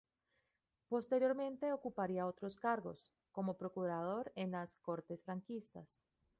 Posteriormente ocuparía otros cargos, como procurador en las Cortes franquistas.